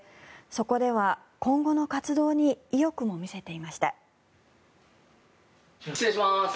そこでは今後の活動に意欲も見せていました。